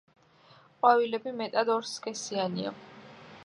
ყვავილები მეტწილად ორსქესიანია.